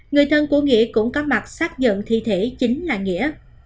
người thân của nghĩa cũng có mặt xác nhận thi thể chính là nghĩa